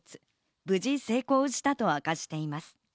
無事成功したと明かしています。